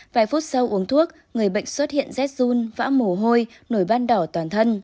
vài phút sau uống thuốc người bệnh xuất hiện rét run vã mồ hôi nổi ban đỏ toàn thân